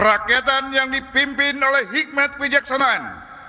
rakyatan yang dipimpin oleh hikmat pijaksanaan